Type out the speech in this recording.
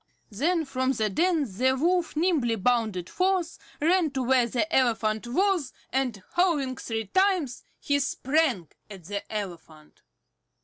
Then from the den the Wolf nimbly bounded forth, ran to where the elephant was, and, howling three times, he sprang at the elephant.